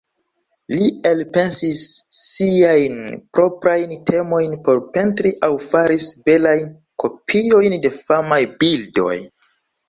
Li elpensis siajn proprajn temojn por pentri aŭ faris belajn kopiojn de famaj bildoj.